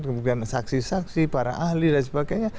kemudian saksi saksi para ahli dan sebagainya